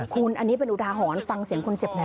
คุณอันนี้เป็นอุทาหรณ์ฟังเสียงคนเจ็บหน่อย